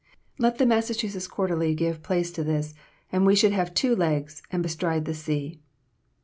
Let the 'Massachusetts Quarterly' give place to this, and we should have two legs, and bestride the sea.